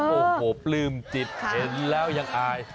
โอ้โหปลื้มจิตเห็นแล้วยังอาย